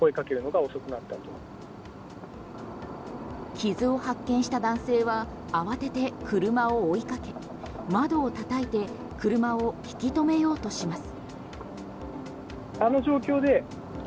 傷を発見した男性は慌てて車を追いかけ窓を叩いて車を引き留めようとします。